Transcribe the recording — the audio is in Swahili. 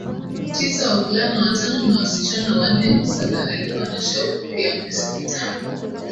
tisa wavulana watano na wasichana wanne Kusaga alikuwa na shauku ya muziki tangu